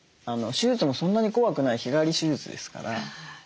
手術もそんなに怖くない日帰り手術ですから。